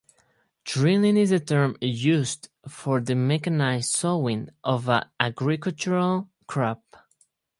"Drilling" is the term used for the mechanised sowing of an agricultural crop.